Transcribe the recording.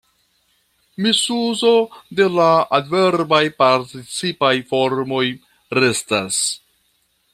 Misuzo de la adverbaj participaj formoj restas.